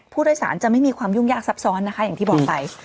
ผู้โดยสารจะไม่มีความยุ่งยากซับซ้อนนะคะอย่างที่บอกไป